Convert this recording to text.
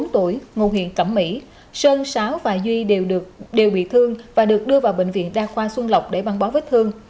hai mươi bốn tuổi ngô huyện cẩm mỹ sơn sáo và duy đều bị thương và được đưa vào bệnh viện đa khoa xuân lộc để băng bó vết thương